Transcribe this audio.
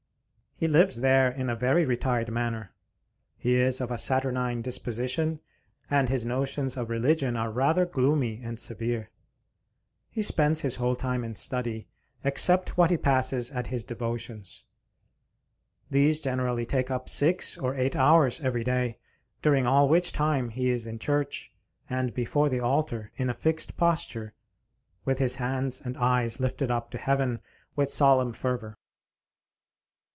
He lives there in a very retired manner. He is of a saturnine disposition, and his notions of religion are rather gloomy and severe. He spends his whole time in study, except what he passes at his devotions. These generally take up six or eight hours every day; during all which time he is in church, and before the altar, in a fixed posture, with his hands and eyes lifted up to heaven with solemn fervor.